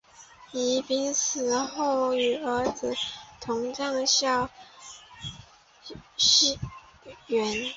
宜嫔死后与儿子同葬孝昌园。